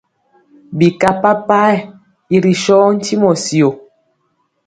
Bika papayɛ i ri so ntimɔ syo.